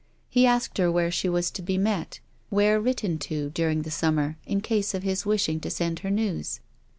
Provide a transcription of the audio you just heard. He asked her where she was to be met, where written to, during the Summer, in case of his wishing to send her news.